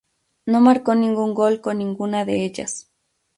No marcó ningún gol con ninguna de ellas.